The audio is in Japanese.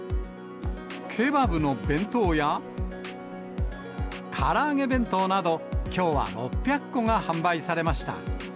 ケバブの弁当や、から揚げ弁当など、きょうは６００個が販売されました。